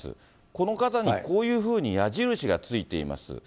この方に、こういうふうに矢印が付いています。